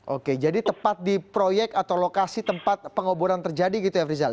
oke jadi tepat di proyek atau lokasi tempat pengeboran terjadi gitu ya efri zal